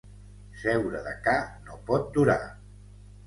Seure de ca no pot durar.